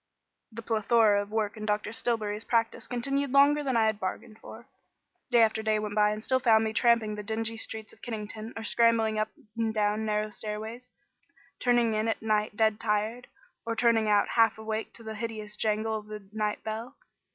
The plethora of work in Dr. Stillbury's practice continued longer than I had bargained for. Day after day went by and still found me tramping the dingy streets of Kennington or scrambling up and down narrow stairways; turning in at night dead tired, or turning out half awake to the hideous jangle of the night bell.